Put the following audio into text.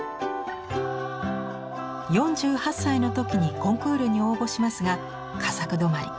４８歳の時にコンクールに応募しますが佳作止まり。